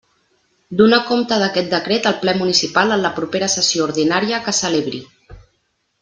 Donar compte d'aquest decret al Ple municipal en la propera sessió ordinària que celebri.